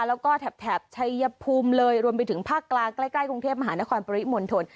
แล้วก็แถบชัยภูมิเลยรวมไปถึงภาคกลางใกล้กรุงเทพมหานครปริมณฑล